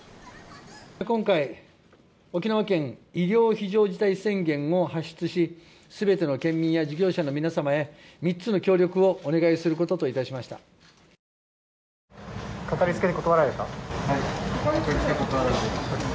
今回沖縄県医療非常事態宣言を発出し全ての県民や事業者の皆様へ３つの協力をお願いすることと致しました。